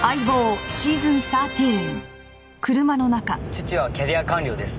父はキャリア官僚です。